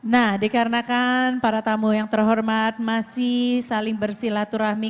nah dikarenakan para tamu yang terhormat masih saling bersilaturahmi